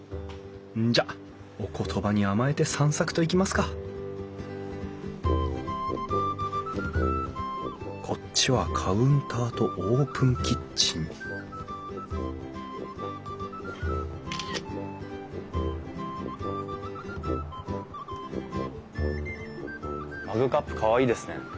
じゃお言葉に甘えて散策といきますかこっちはカウンターとオープンキッチンマグカップかわいいですね。